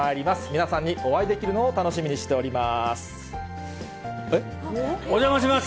皆さんにお会いできるのを楽しみにしております。